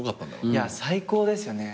いや最高ですよね。